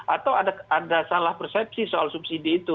atau ada salah persepsi soal subsidi itu